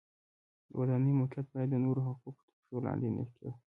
د ودانیو موقعیت باید د نورو حقوق تر پښو لاندې نه کړي.